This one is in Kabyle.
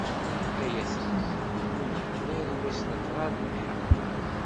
Ay aytma! Ur neḥḍir, i wass n ṭrad n yiḥerqan.